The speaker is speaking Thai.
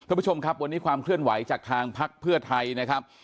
คุณผู้ชมครับวันนี้ความเคลื่อนไหวจากทางพักเพื่อไทยนะครับ